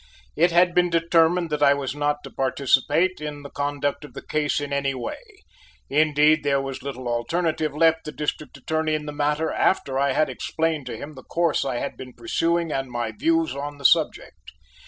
It had been determined that I was not to participate in the conduct of the case in any way: indeed, there was little alternative left the District Attorney in the matter after I had explained to him the course I had been pursuing and my views on the subject.